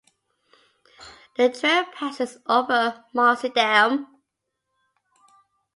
The trail passes over Marcy Dam.